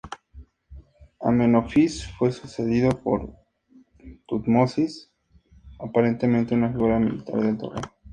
Amenofis fue sucedido por Tutmosis I, aparentemente una figura militar de alto rango.